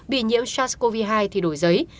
bị nhiễm sars cov hai thì đổi giấy